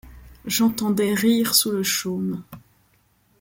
J'entendais rire sous le chaume